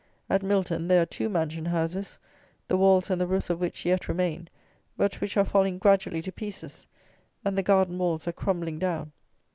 At Milton there are two mansion houses, the walls and the roofs of which yet remain, but which are falling gradually to pieces, and the garden walls are crumbling down.